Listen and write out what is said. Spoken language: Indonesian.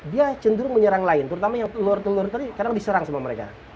kadang kadang diserang sama mereka